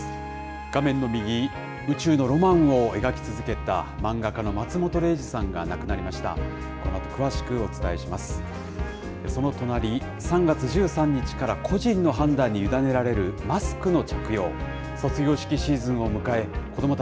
画面の右、宇宙のロマンを描き続けた、漫画家の松本零士さんが亡くなりました。